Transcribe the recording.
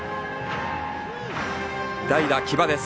代打、木場です。